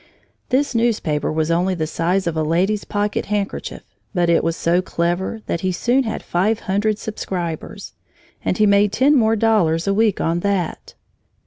This newspaper was only the size of a lady's pocket handkerchief, but it was so clever that he soon had five hundred subscribers, and he made ten more dollars a week on that.